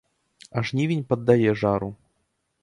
А жнівень паддае жару.